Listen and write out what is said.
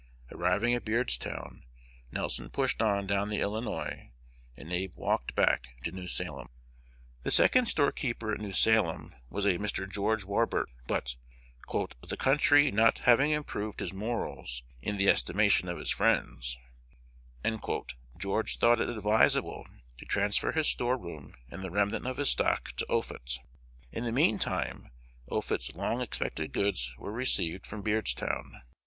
Arriving at Beardstown, Nelson pushed on down the Illinois, and Abe walked back to New Salem. The second storekeeper at New Salem was a Mr. George Warburton; but, "the country not having improved his morals in the estimation of his friends," George thought it advisable to transfer his storeroom and the remnant of his stock to Offutt. In the mean time, Offutt's long expected goods were received from Beardstown.